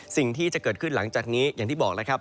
สิ่งที่จะเกิดขึ้นหลังจากนี้อย่างที่บอกแล้วครับ